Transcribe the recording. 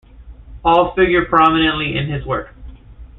All figure prominently in his work.